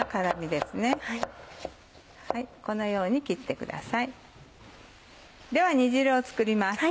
では煮汁を作ります。